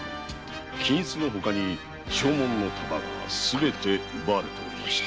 金子のほかに証文の束がすべて奪われておりました。